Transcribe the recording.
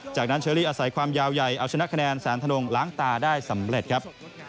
จากนั้นเชอรี่อาศัยความยาวใหญ่เอาชนะคะแนนแสนธนงล้างตาได้สำเร็จครับ